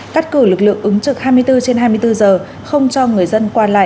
cắt cử lực lượng ứng trực hai mươi bốn trên hai mươi bốn giờ không cho người dân qua lại